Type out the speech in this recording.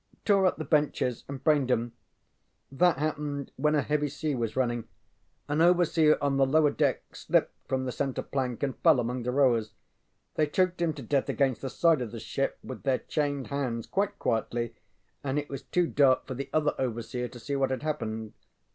ŌĆØ ŌĆ£Tore up the benches and brained ŌĆśem. That happened when a heavy sea was running. An overseer on the lower deck slipped from the centre plank and fell among the rowers. They choked him to death against the side of the ship with their chained hands quite quietly, and it was too dark for the other overseer to see what had happened.